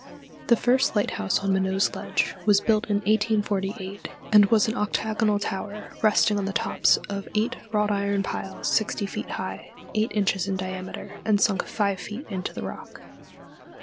The first lighthouse on Minot's Ledge was built in 1848, and was an octagonal tower resting on the tops of eight wrought iron piles sixty feet high, eight inches in diameter, and sunk five feet into the rock.